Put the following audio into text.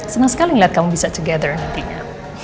senang sekali ngeliat kamu bisa together nantinya